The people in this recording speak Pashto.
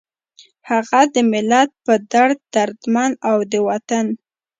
هغه د ملت پۀ دړد دردمند، او د وطن